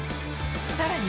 さらに。